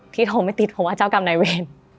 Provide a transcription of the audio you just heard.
โทรไม่ติดเพราะว่าเจ้ากรรมนายเวร